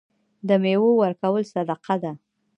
د میوو ورکول صدقه ده.